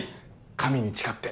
神に誓って。